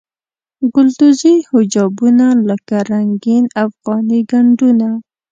ګلدوزي حجابونه لکه رنګین افغاني ګنډونه.